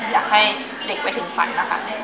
อยากให้เด็กไปถึงฝัน